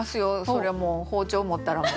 そりゃもう包丁持ったらもう。